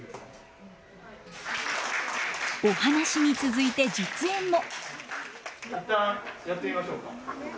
お話に続いて実演も。